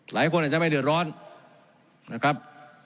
หลายคนอาจจะไม่เดือดร้อนนะครับ